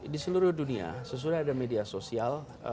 di seluruh dunia sesudah ada media sosial